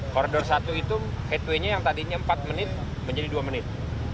koridor satu itu headway nya yang tadinya empat menit menjadi dua menit